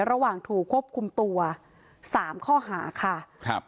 ระหว่างถูกควบคุมตัวสามข้อหาค่ะครับ